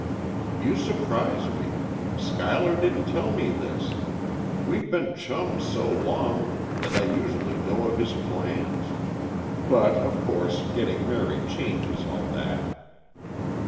"You surprise me. Schuyler didn't tell me this. We've been chums so long, that I usually know of his plans. But, of course, getting married changes all that."